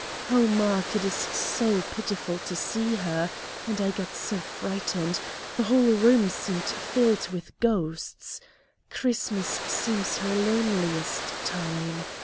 "Oh, Mark, it is so pitiful to see her! and I got so frightened; the whole room seemed filled with ghosts. Christmas seems her loneliest time.